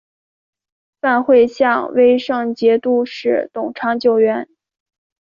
范晖向威胜节度使董昌求援。